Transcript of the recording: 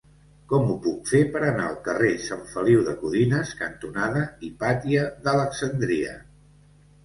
Com ho puc fer per anar al carrer Sant Feliu de Codines cantonada Hipàtia d'Alexandria?